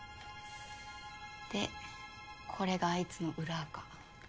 でこれがあいつの裏アカ。